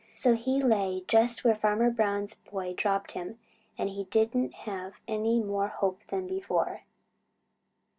So he lay just where Farmer Brown's boy dropped him, and he didn't have any more hope than before.